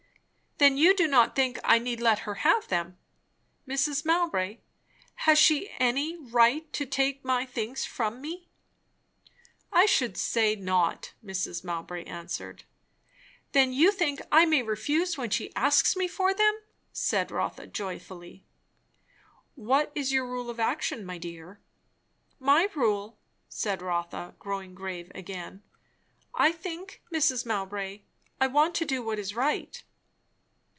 "Then you do not think I need let her have them? Dear Mrs. Mowbray, has she any right to take my things from me?" "I should say not," Mrs. Mowbray answered. "Then you think I may refuse when she asks me for them?" said Rotha, joyfully. "What is your rule of action, my dear?" "My rule?" said Rotha, growing grave again. "I think, Mrs. Mowbray, I want to do what is right."